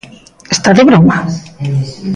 Está de broma?